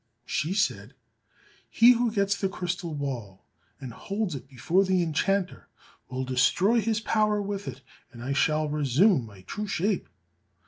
She said, "He who gets the crystal ball, and holds it before the enchanter, will destroy his power with it, and I shall resume my true shape.